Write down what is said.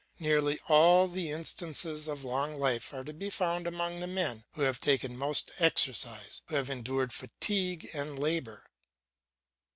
Nearly all the instances of long life are to be found among the men who have taken most exercise, who have endured fatigue and labour.